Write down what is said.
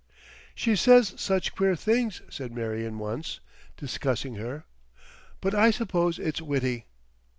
"She says such queer things," said Marion once, discussing her. "But I suppose it's witty."